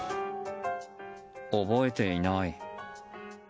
覚えていない。